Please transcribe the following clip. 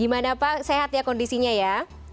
gimana pak sehat ya kondisinya ya